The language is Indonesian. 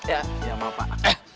ya maaf pak